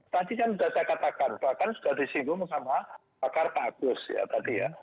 tadi kan sudah saya katakan bahkan sudah disinggung sama pakar pak agus ya tadi ya